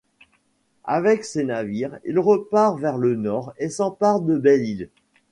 Avec ses navires, il repart vers le nord et s'empare de Belle-Île.